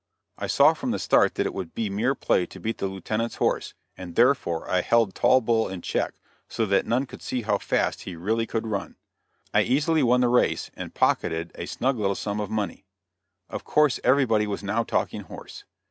I saw from the start that it would be mere play to beat the Lieutenant's horse, and therefore I held Tall Bull in check, so that none could see how fast he really could run. I easily won the race, and pocketed a snug little sum of money. Of course everybody was now talking horse.